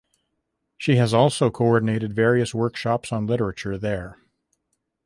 She has also coordinated various workshops on literature there.